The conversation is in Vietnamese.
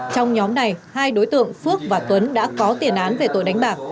trong nhóm này hai đối tượng phước và tuấn đã có tiền án về tội đánh bạc